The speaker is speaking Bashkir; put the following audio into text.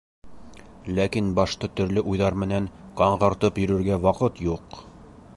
Ләкин башты төрлө уйҙар менән ҡаңғыртып йөрөргә ваҡыт юҡ.